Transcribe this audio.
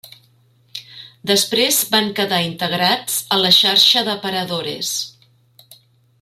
Després van quedar integrats a la xarxa de Paradores.